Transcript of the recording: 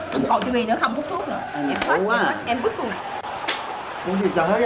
không không còn tivi nữa không hút thuốc nữa